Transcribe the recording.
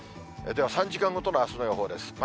では３時間ごとのあすの予報です。